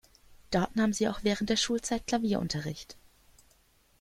Dort nahm sie auch während der Schulzeit Klavierunterricht.